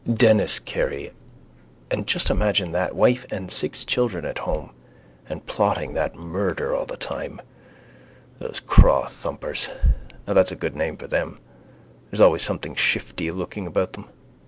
Denis Carey. And just imagine that. Wife and six children at home. And plotting that murder all the time. Those crawthumpers, now that's a good name for them, there's always something shiftylooking about them.